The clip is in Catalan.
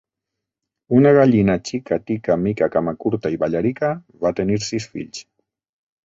Una gallina xica, tica, mica, camacurta i ballarica, va tenir sis fills.